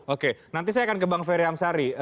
oke nanti saya akan ke bang ferry amsari